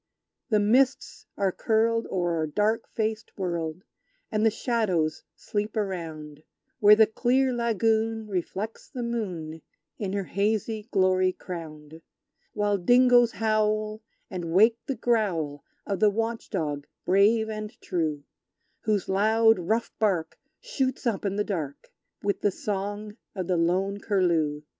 The mists are curled o'er a dark faced world, And the shadows sleep around, Where the clear lagoon reflects the moon In her hazy glory crowned; While dingoes howl, and wake the growl Of the watchdog brave and true; Whose loud, rough bark shoots up in the dark, With the song of the lone Curlew!